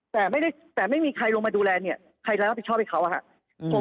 แต่ไม่ได้แต่ไม่มีใครลงมาดูแลเนี่ยใครร้ายว่าผิดชอบเป็นเขาอะค่ะ